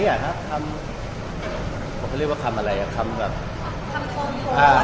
คำผมเขาเรียกว่าคำอะไรคำโฟมคำอะไรประมาณนี้